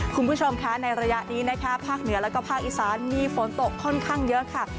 คุณผู้ชมคะในระยะนี้นะคะภาคเหนือแล้วก็ภาคอีสานมีฝนตกค่อนข้างเยอะค่ะ